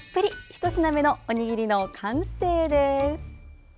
ひと品目のおにぎりの完成です。